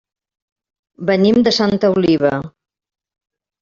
Venim de Santa Oliva.